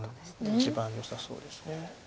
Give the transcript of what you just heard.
一番よさそうです。